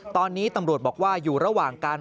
ตอนนี้ตำรวจบอกว่าอยู่ระหว่างการ